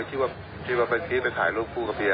คิดว่าตอนนี้มันก็ไปถ่ายรูปคู่กับเพียนะ